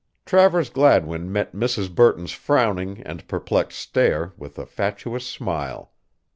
Travers Gladwin met Mrs. Burton's frowning and perplexed stare with a fatuous smile.